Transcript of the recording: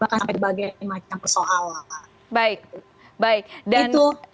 bahkan ada bagian macam persoalan